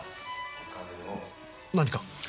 何か？